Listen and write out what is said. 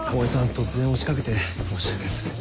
突然押し掛けて申し訳ありません。